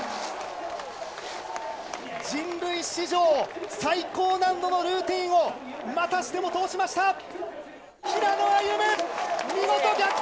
人類史上最高難度のルーティンをまたしても通しました。